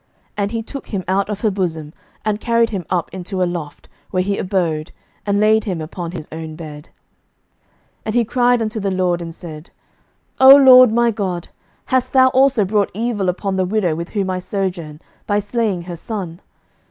And he took him out of her bosom, and carried him up into a loft, where he abode, and laid him upon his own bed. 11:017:020 And he cried unto the LORD, and said, O LORD my God, hast thou also brought evil upon the widow with whom I sojourn, by slaying her son?